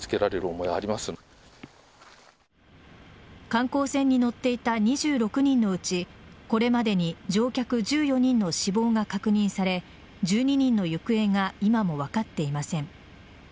観光船に乗っていた２６人のうち、これまでに乗客１４人の死亡が確認され１２人の行方が今も分かっていません。